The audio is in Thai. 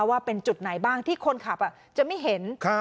ว่าเป็นจุดไหนบ้างที่คนขับจะไม่เห็น